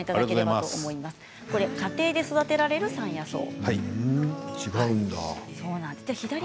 家庭で育てられる山野草です。